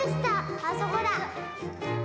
あそこだ。